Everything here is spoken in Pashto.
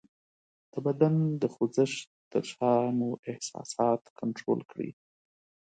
د بدن د خوځښت تر شا مو احساسات کنټرول کړئ :